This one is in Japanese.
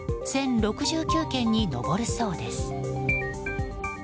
１０６９件に上るそうです。